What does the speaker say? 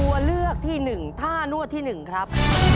ตัวเลือกที่หนึ่งท่านวดที่หนึ่งครับ